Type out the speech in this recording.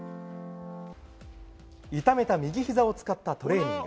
痛めた右ひざを使ったトレーニング。